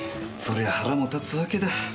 そりゃ腹も立つわけだ。